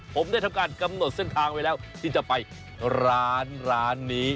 ผมได้ทำการกำหนดเส้นทางไว้แล้วที่จะไปร้านร้านนี้